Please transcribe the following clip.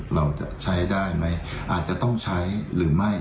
เราจะใช้ได้ไหมอาจจะต้องใช้หรือไม่